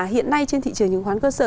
hiện nay trên thị trường những khoán cơ sở